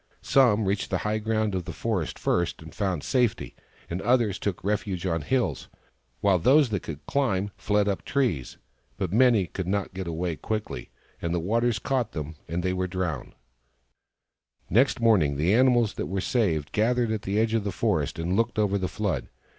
Some reached the high ground of the forest first, and found safety, and others took refuge on hills, while those that could climb fled up trees. But many could not get away quickly, and the waters caught them, and they were drowned Next morning the animals who were saved gathered at the edge of the forest and looked over the flood.